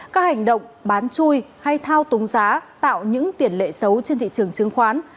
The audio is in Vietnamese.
các hành động bán chui hay thao túng giá tạo những tiền lệ xấu trên thị trường chứng khoán